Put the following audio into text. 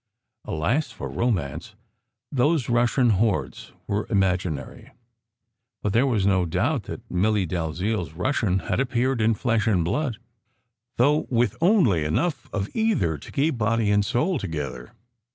Alas for romance! those Russian hordes were im aginary, but there was no doubt that Milly Dalziel s Russian had appeared in flesh and blood though with only enough of either to keep body and soul together.